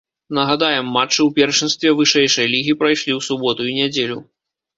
Нагадаем, матчы ў першынстве вышэйшай лігі прайшлі ў суботу і нядзелю.